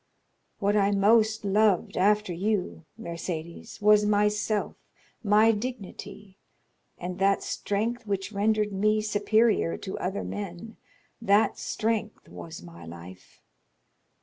What I most loved after you, Mercédès, was myself, my dignity, and that strength which rendered me superior to other men; that strength was my life.